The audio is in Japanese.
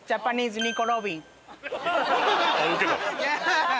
ハハハハ！